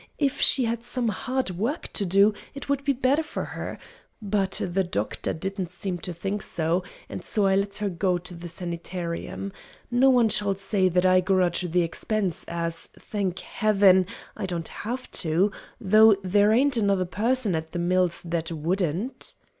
If she had some hard work to do, it would be better for her but the doctor didn't seem to think so, and so I let her go to the sanitarium. No one shall say that I grudge the expense, as, thank Heaven! I don't have to, though there ain't another person at The Mills that wouldn't."